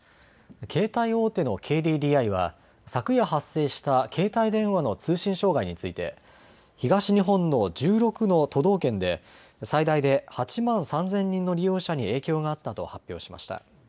携帯大手のＫＤＤＩは昨夜発生した携帯電話の通信障害について東日本の１６の都道県で最大で８万３０００人の利用者に影響があったと発表しました。